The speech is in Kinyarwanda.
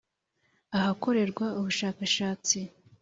Ahakorerwa ubushakashatsi